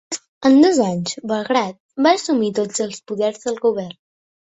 En dos anys, Bagrat va assumir tots els poders de govern.